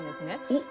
おっ！